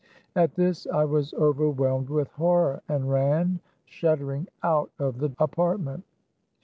At this I was overwhelmed with horror, and ran shuddering out of the apartment.